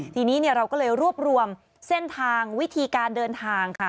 ทีนี้เราก็เลยรวบรวมเส้นทางวิธีการเดินทางค่ะ